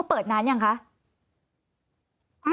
มันเป็นอาหารของพระราชา